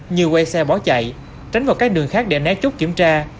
như quay xe bỏ chạy tránh vào các đường khác để nát chút kiểm tra